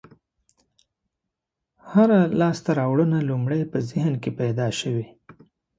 هره لاستهراوړنه لومړی په ذهن کې پیدا شوې.